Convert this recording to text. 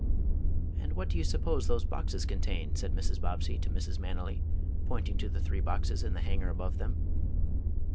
"And what do you suppose those boxes contain?" said Mrs. Bobbsey to Mrs. Manily, pointing to the three boxes in the hanger above them.